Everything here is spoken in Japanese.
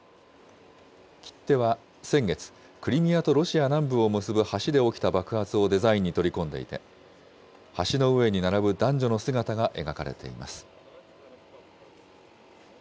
切手は先月、クリミアとロシア南部を結ぶ橋で起きた爆発をデザインに取り込んでいて、橋の上に並ぶ男女の姿が描かれています。